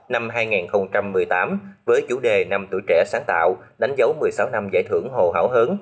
năm hai nghìn một mươi tám với chủ đề năm tuổi trẻ sáng tạo đánh dấu một mươi sáu năm giải thưởng hồ hảo hớn